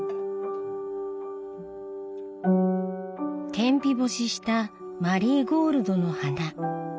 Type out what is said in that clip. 天日干ししたマリーゴールドの花。